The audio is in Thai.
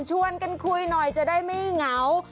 ชวนกันคุยหน่อยจะได้ไม่เหงา